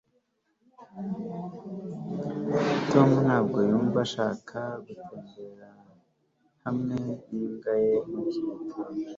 tom ntabwo yumva ashaka gutembera hamwe n'imbwa ye muri iki gitondo